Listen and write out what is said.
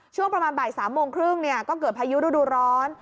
ช่วงประมาณบ่าย๓โมงครึ่งก็เกิดพายุฤดูร้อน